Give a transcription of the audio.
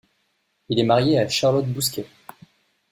Il est marié à Charlotte Bousquet.